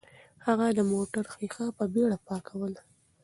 هغه د موټر ښیښه په بیړه پاکوله.